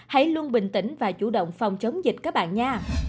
hãy luôn bình tĩnh và chủ động phòng chống dịch các bạn nha